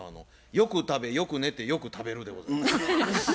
よく食べよく寝てよく食べるでございます。